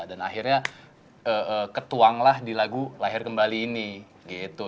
dan akhirnya ketuang lah di lagu lahir kembali ini gitu